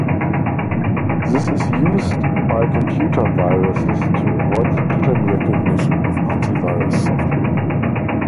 This is used by computer viruses to avoid the pattern recognition of anti-virus software.